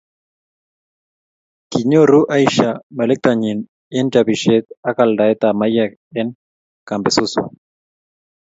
Kinyoru Aisha melektonyi eng chobisiet ak aldaetab maiywek eng kambisuswa